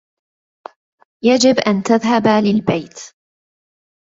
يجب ان تذهب للبيت ؟